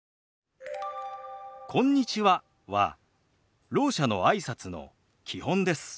「こんにちは」はろう者のあいさつの基本です。